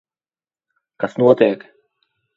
Kas notiek?